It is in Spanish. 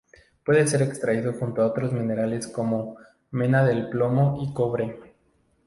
Puede ser extraído junto a otros minerales como mena del plomo y cobre.